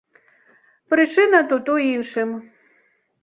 Прычына тут у іншым.